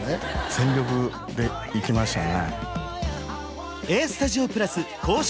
全力でいきましたね